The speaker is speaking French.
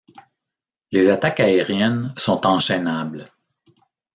Les attaques aériennes sont enchainables.